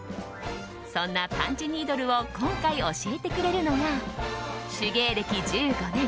そんなパンチニードルを今回、教えてくれるのが手芸歴１５年